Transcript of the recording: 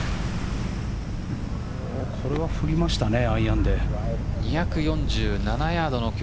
これは振りましたね